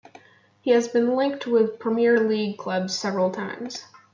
He has been linked with Premier League clubs several times.